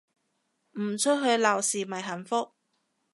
唔出去鬧事咪幸福